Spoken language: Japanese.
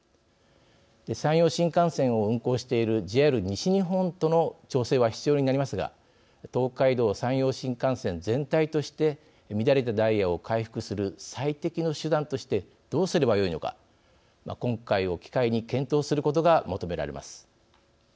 山陽新幹線を運行しているＪＲ西日本との調整は必要になりますが東海道・山陽新幹線全体として乱れたダイヤを回復する最適の手段としてどうすればよいのか今回を機会に検討することが求められます。